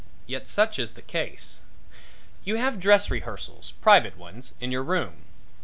Yet such is the case. You have dress rehearsals private ones in your room.